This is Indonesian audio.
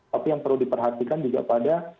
tapi yang perlu diperhatikan juga pada